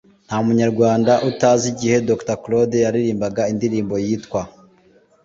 nta munyarwanda utazi igihe Dr Claude yiririmbiraga indirimbo yitwa